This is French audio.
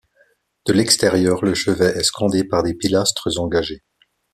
De l'extérieur, le chevet est scandé par des pilastres engagés.